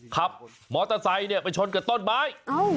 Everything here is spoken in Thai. ขับมอเตอร์ไซค์เนี่ยไปชนกับต้นไม้